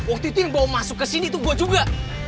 waktu itu yang bawa masuk ke sini itu buat juga